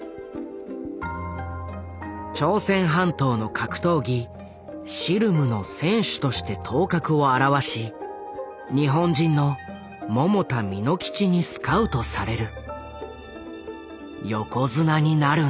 朝鮮半島の格闘技シルムの選手として頭角を現し日本人の百田巳之吉にスカウトされる。